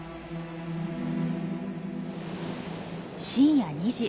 深夜２時。